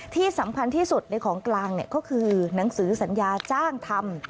ที่สำคัญที่สุดในของกลางก็คือหนังสือสัญญาจ้างทำ